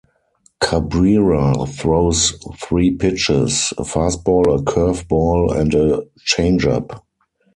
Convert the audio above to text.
Cabrera throws three pitches: a fastball, a curveball, and a changeup.